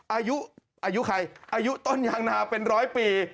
อายุใครอายุต้นยางนาเป็นร้อยปี